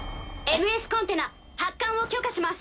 ＭＳコンテナ発艦を許可します。